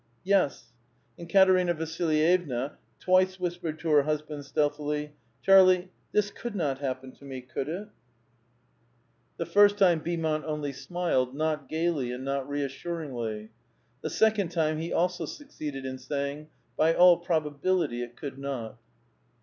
"Yes." And Katerina Vasllyevna twice whispered to her husband stealthily, "Charlie, this could not happen to me, could it?" 464 4 VITAL QUESTION. The first time Beaomont only smiled, not gayly and not reassuringly ; the second time he also succeeded in saying, By all probability, it coald not."